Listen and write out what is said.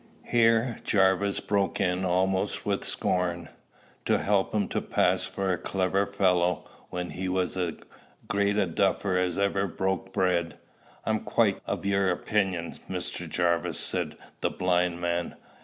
Here Jarvis broke in almost with scorn. "To help him to pass for a clever fellow, when he was as great a duffer as ever broke bread!" "I'm quite o' your opinion, Mr. Jarvis," said the blind man.